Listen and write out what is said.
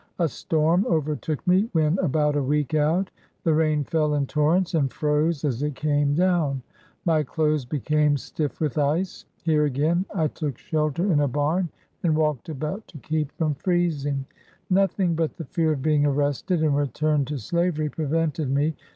A storm overtook me when about a week out. The rain fell in torrents, and froze as it came down. My clothes became stiff with ice. Here 40 BIOGRAPHY OF again I took shelter in a barn, and walked about to keep from freezing. Nothing but the fear of being arrested and returned to slavery prevented me.